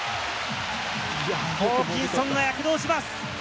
ホーキンソンが躍動します。